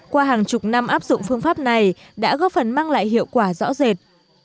qua hàng chục năm áp dụng phương pháp này đã góp phần mang lại hiệu quả rõ rệt